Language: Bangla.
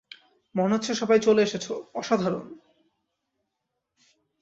মনে হচ্ছে সবাই চলে এসেছে, অসাধারণ।